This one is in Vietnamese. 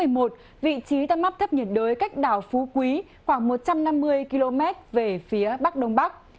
vào hồi bảy h sáng ngày một mươi bảy tháng một mươi một vị trí tâm áp thấp nhiệt đới cách đảo phú quý khoảng một trăm năm mươi km về phía bắc đông bắc